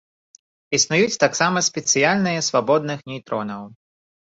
Існуюць таксама спецыяльныя свабодных нейтронаў.